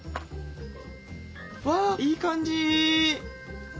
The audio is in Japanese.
わあいい感じ！